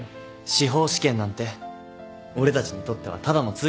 司法試験なんて俺たちにとってはただの通過点だろ。